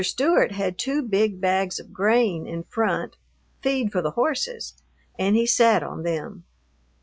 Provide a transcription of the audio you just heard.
Stewart had two big bags of grain in front, feed for the horses, and he sat on them.